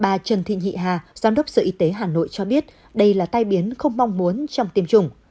bà trần thị nhị hà giám đốc sở y tế hà nội cho biết đây là tai biến không mong muốn trong tiêm chủng